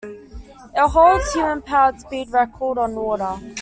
It holds the human-powered speed record on water.